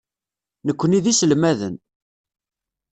Nekkni d iselmaden.